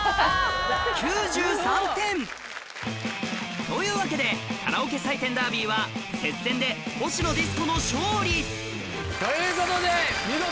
９３点というわけでカラオケ採点ダービーは接戦でほしのディスコの勝利ということで見事。